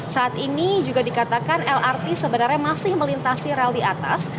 saat ini juga dikatakan lrt sebenarnya masih melintasi rel di atas